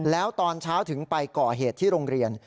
แล้วตอนเช้าถึงไปก่อเหตุที่โรงเรียน